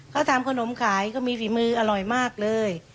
เขาทำขนมขายก็มีฝีมืออร่อยมากเลย